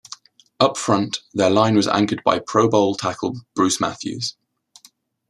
Up front, their line was anchored by Pro Bowl tackle Bruce Matthews.